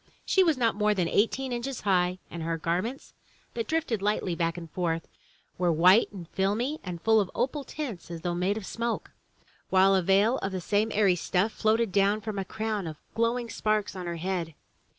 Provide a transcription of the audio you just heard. She was not more than eighteen inches high and her garments, that drifted lightly back and forth, were white and filmy and full of opal tints as though made of smoke, while a veil of the same airy stuff floated down from a crown of glowing 154 THROUGH FAIRY HALLS sparks on her head.